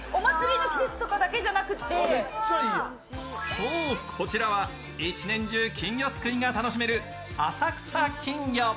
そう、こちらは１年中金魚すくいが楽しめる浅草きんぎょ。